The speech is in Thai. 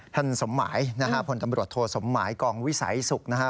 สมหมายนะฮะพลตำรวจโทสมหมายกองวิสัยศุกร์นะฮะ